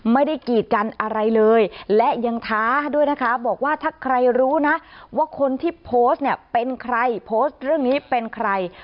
ไม่ได้กีดกันอะไรเลยและยังท้าด้วยนะคะบอกว่าถ้าใครรู้นะว่าคนที่โพสต์เนี่ยเป็นใคร